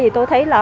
thì tôi thấy là